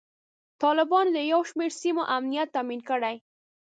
طالبانو د یو شمیر سیمو امنیت تامین کړی.